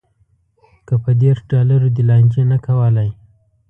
که په دېرش ډالرو دې لانجې نه کولی.